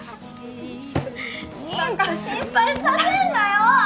妊婦心配させんなよ！